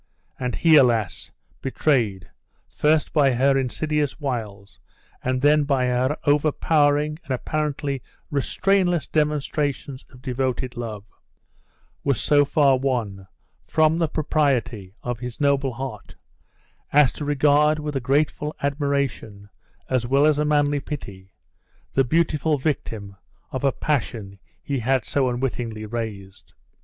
And he, alas! betrayed, first by her insidious wiles, and then by her overpowering and apparently restrainless demonstrations of devoted love, was so far won "from the propriety" of his noble heart, as to regard with a grateful admiration, as well as a manly pity, the beautiful victim of a passion he had so unwittingly raised.